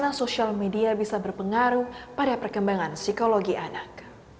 bagaimana sosial media bisa berpengaruh pada perkembangan psikologi anak